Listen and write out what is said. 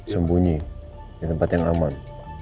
sembunyi di tempat yang aman